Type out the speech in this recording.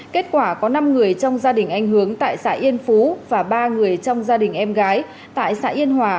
kết quả có năm người trong gia đình anh hướng tại xã yên phú và ba người trong gia đình em gái tại xã yên hòa